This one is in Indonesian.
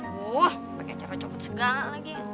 wuh pake cara copot segala lagi